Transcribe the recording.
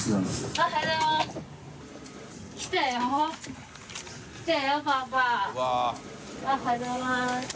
おはようございます！